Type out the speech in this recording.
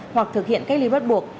hoặc thực hiện cách ly bắt buộc